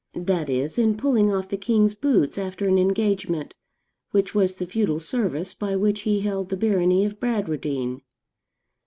that is, in pulling off the king's boots after an engagement, which was the feudal service by which he held the barony of Bradwardine.